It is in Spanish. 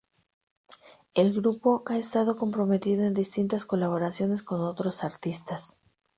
El grupo ha estado comprometido en distintas colaboraciones con otros artistas.